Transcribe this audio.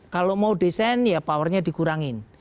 kalau mau desain ya powernya dikurangin